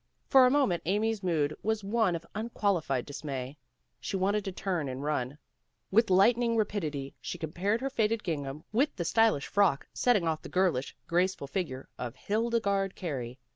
For a moment Amy's mood was one of un qualified dismay. She wanted to turn and run. With lightning like rapidity she compared her faded gingham with the stylish frock setting off the girlish, graceful figure of Hildegarde Carey.